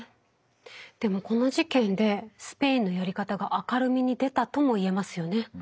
でもこの事件でスペインのやり方が明るみに出たとも言えますよね。